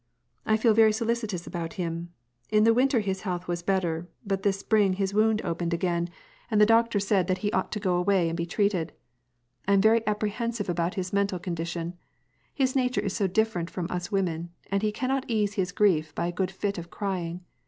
"I feel very solicitous about him. In the winter his health was better, but this spring his wound opened 124 WAR AND PEACE. again, and the doctor said that he ought to go away and be treated. And I am very apprehensive about his mental condi tion. His nature is so different from us women, and he cannot ease his grief by a good fit of crying.